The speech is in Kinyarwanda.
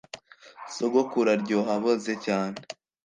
Sogokuru aryoha aboze cyane